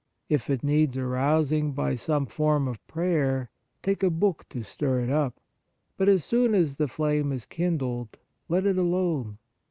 If it needs arous ing by some form of prayer, take a book to stir it up ; but as soon as the flame is kindled, let it alone.